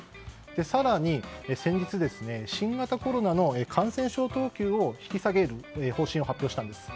更に、先日、新型コロナの感染症等級を引き下げる方針を発表したんです。